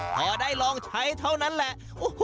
พอได้ลองใช้เท่านั้นแหละ